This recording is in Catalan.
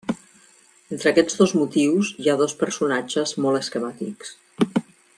Entre aquests dos motius hi ha dos personatges molt esquemàtics.